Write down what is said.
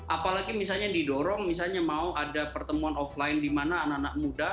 apalagi misalnya didorong misalnya mau ada pertemuan offline di mana anak anak muda